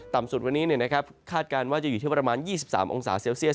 สุดวันนี้คาดการณ์ว่าจะอยู่ที่ประมาณ๒๓องศาเซลเซียส